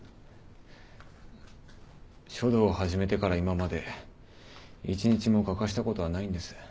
書道を始めてから今まで一日も欠かしたことはないんです。